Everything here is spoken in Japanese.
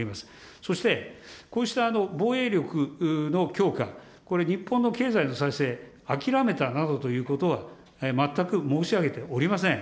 そして、こうした防衛力の強化、これ、日本の経済の再生、諦めたなどということは全く申し上げておりません。